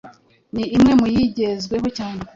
ni imwe mu yigezweho cyane